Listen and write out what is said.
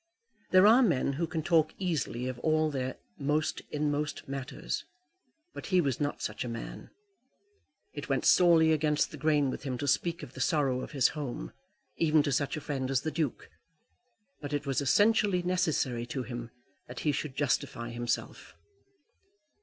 There are men who can talk easily of all their most inmost matters, but he was not such a man. It went sorely against the grain with him to speak of the sorrow of his home, even to such a friend as the Duke; but it was essentially necessary to him that he should justify himself.